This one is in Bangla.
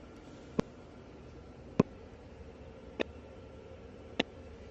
তিনি ইনিংসের পুরোটা সময়ই ব্যাটিং করেন।